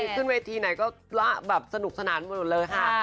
ขึ้นเวทีไหนก็พระแบบสนุกสนานหมดเลยค่ะ